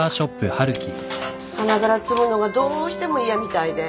花がら摘むのがどうしても嫌みたいで。